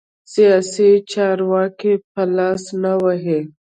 سیاسي چارو کې به لاس نه وهي.